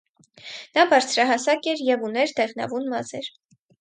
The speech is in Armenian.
Նա բարձրահասակ էր և ուներ դեղնավուն մազեր։